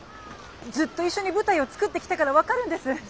ずっと一緒に舞台を作ってきたから分かるんです。